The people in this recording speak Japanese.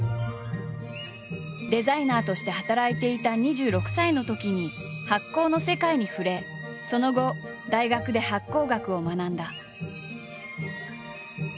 デザイナーとして働いていた２６歳のときに発酵の世界に触れその後大学で発酵学を学んだ。